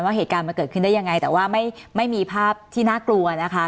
เหตุการณ์มันเกิดขึ้นได้ยังไงแต่ว่าไม่มีภาพที่น่ากลัวนะคะ